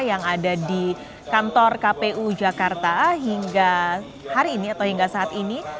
yang ada di kantor kpu jakarta hingga hari ini atau hingga saat ini